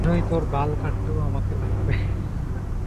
শীঘ্রই তোর বাল কাটতেও আমাকে লাগবে।